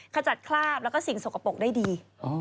ขจัดคราบแล้วก็สิ่งสกปรกได้ดี